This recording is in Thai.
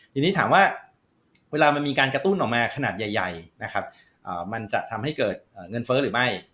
ทีนี้ถามว่าเวลามันมีการกระตุ้นออกมาขนาดใหญ่นะครับมันจะทำให้เกิดเงินเฟ้อหรือไม่